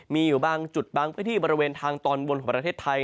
มีอยู่บางจุดบางพื้นที่บริเวณทางตอนบนของประเทศไทย